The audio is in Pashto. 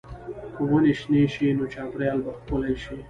که ونې شنې شي، نو چاپېریال به ښکلی شي.